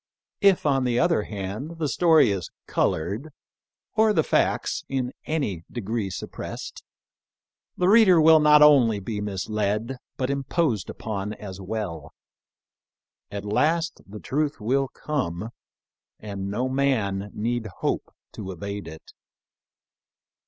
If, on the other hand, the story is col ored or the facts in any degree suppressed, the reader will be not only misled, but imposed upon as well. At last the truth will come, and no man need hope to evade it.